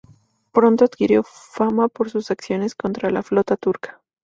Pronto adquirió fama por sus acciones contra la flota turca.